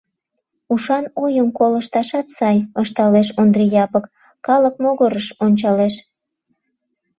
— Ушан ойым колышташат сай, — ышталеш Ондри Япык, калык могырыш ончалеш.